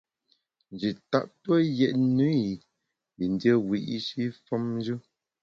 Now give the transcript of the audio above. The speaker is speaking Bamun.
Nji tap tue yètne i yin dié wiyi’shi femnjù.